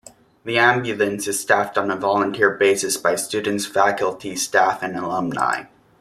The ambulance is staffed on a volunteer basis by students, faculty, staff, and alumni.